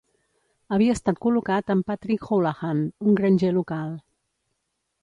Havia estat col·locat amb Patrick Houlahan, un granger local.